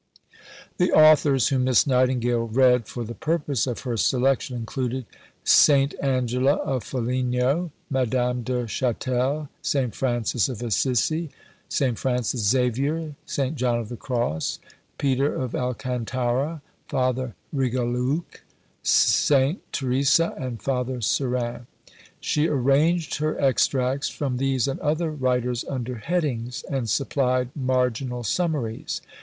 The authors whom Miss Nightingale read for the purpose of her selection included St. Angela of Foligno, Madame de Chatel, St. Francis of Assisi, St. Francis Xavier, St. John of the Cross, Peter of Alcantara, Father Rigoleuc, St. Teresa, and Father Surin. She arranged her extracts from these and other writers under headings, and supplied marginal summaries.